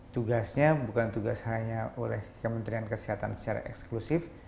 tugasnya bukan hanya oleh kementerian kesehatan secara eksklusif